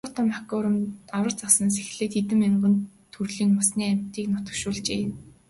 Аварга том аквариумд аварга загаснаас эхлээд хэдэн мянган төрлийн усны амьтдыг нутагшуулжээ.